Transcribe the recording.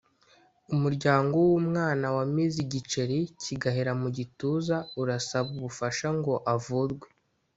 Umuryango w’umwana wamize igiceri kigahera mu gituza urasaba ubufasha ngo avurwe